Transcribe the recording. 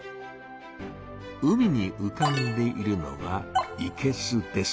海にうかんでいるのは「いけす」です。